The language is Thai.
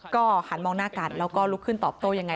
ก็หันมองหน้ากันแล้วก็ลุกขึ้นตอบโต้ยังไง